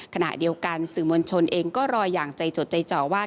ขณะเดียวกันสื่อมวลชนเองก็รออย่างใจจดใจจ่อว่า